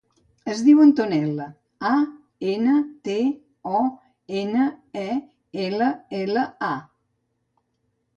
Es diu Antonella: a, ena, te, o, ena, e, ela, ela, a.